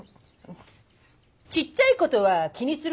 ちっちゃいことは気にするな。